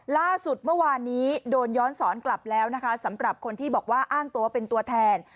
ล่าสุดเมื่อวานนี้โดนย้อนสอนกลับแล้วนะคะสำหรับคนที่บอกว่าอ้างตัวเป็นตัวแทน